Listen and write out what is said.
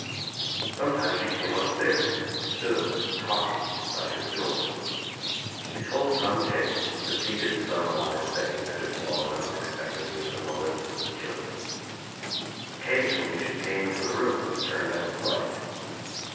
Sometimes she came upstairs and stood talking by his door. She told some tale, repeated some wise saying that had fallen unexpectedly from the lips of the children. Occasionally she came into the room and turned out the light.